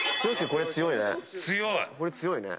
これ強いね。